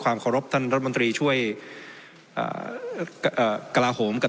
ขอรบท่านรัฐมนตรีช่วยอ่าเอ่อกระลาโหมกับ